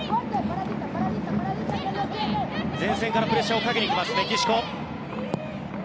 前線からプレッシャーをかけにくるメキシコ。